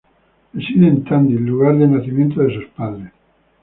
Reside en Tandil, lugar de nacimiento de sus padres.